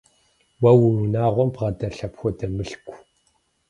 Уэ уи унагъуэм бгъэдэлъ апхуэдэ мылъку?